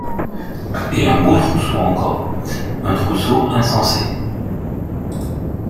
Et un beau trousseau encore! un trousseau insensé.